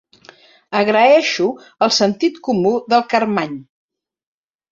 Agraeixo el sentit comú del Carmany.